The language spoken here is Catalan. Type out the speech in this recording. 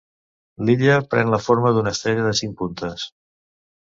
L'illa pren la forma d'una estrella de cinc puntes.